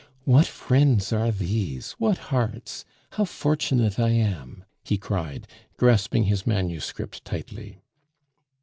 "What friends are these! What hearts! How fortunate I am!" he cried, grasping his manuscript tightly.